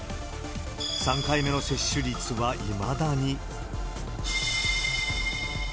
３回目の接種率はいまだに。